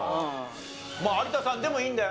有田さんでもいいんだよ。